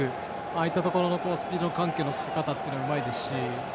ああいったところスピード、緩急のつけ方がうまいですし。